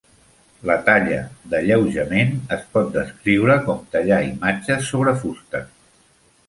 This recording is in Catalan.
La talla d'alleujament es pot descriure com "tallar imatges sobre fusta".